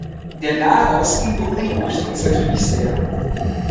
Der Nahe Osten beunruhigt uns natürlich sehr.